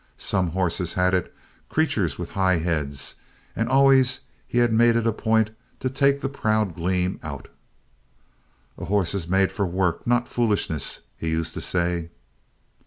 Some horses had it, creatures with high heads, and always he had made it a point to take that proud gleam out. "A hoss is made for work, not foolishness," he used to say.